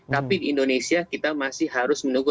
tapi di indonesia kita masih harus menunggu